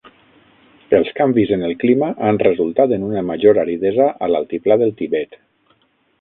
Els canvis en el clima han resultat en una major aridesa a l'Altiplà del Tibet.